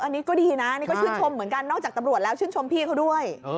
อันนี้ก็ดีนะนี่ก็ชื่นชมเหมือนกันนอกจากตำรวจแล้วชื่นชมพี่เขาด้วย